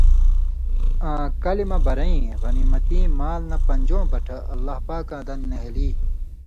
آں کلیۡ مہ بَرئیں (غنیمتِیں) مال نہ پن٘ژؤں بٹھہ (اللہ پاکاں دَن) نھېلی۔